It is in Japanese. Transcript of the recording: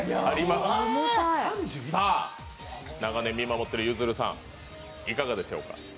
長年見守っているゆずるさんいかがでしょうか？